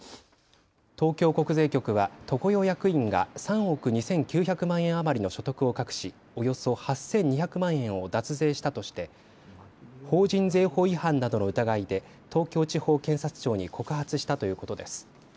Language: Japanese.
東京国税局は常世役員が３億２９００万円余りの所得を隠し、およそ８２００万円を脱税したとして法人税法違反などの疑いで東京地方検察庁に告発したということです。